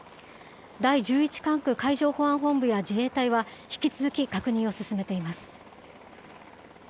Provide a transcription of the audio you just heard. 第１１管区海上保安本部や自衛隊は、引き続き確認を進めています。